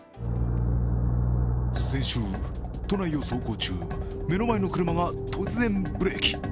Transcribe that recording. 先週、都内を走行中目の前の車が突然ブレーキ。